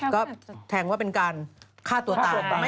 ก็แทงว่าเป็นการฆ่าตัวตาย